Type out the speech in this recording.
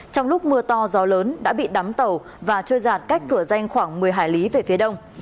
trong lúc mưa to gió lớn đã bị đắm tàu và trôi giạt cách cửa danh khoảng một mươi hải lý về phía đông